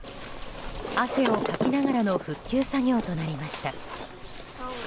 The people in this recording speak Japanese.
汗をかきながらの復旧作業となりました。